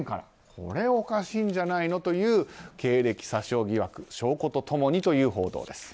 これおかしいんじゃないのという経歴詐称疑惑証拠と共にという報道です。